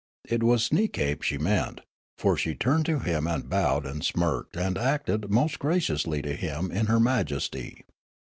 It was Sneekape she meant ; for she turned to him and bowed and smirked and acted most graciously to him in her majesty.